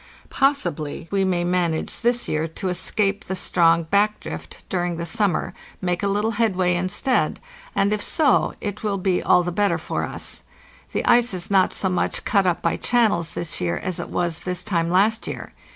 Possibly we may manage this year to escape 614 APPENDIX the strong back drift during the summer, make a little headway instead, and if so it will be all the better for us. The ice is not so much cut up by channels this year as it was this time last year.